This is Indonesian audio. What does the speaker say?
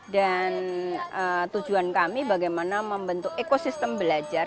dan tujuan kami bagaimana membentuk ekosistem belajar